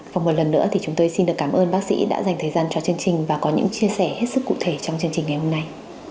và một lần nữa thì chúng tôi xin được cảm ơn bác sĩ đã dành thời gian cho chương trình và có những chia sẻ hết sức cụ thể trong chương trình ngày hôm nay